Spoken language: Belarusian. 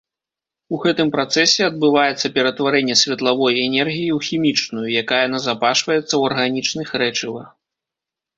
У гэтым працэсе адбываецца ператварэнне светлавой энергіі ў хімічную, якая назапашваецца ў арганічных рэчывах.